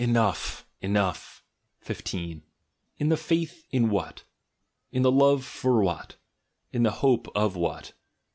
" Enough ! Enough ! IS In the faith in what? In the love for what? In the hope of what?